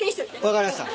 分かりました。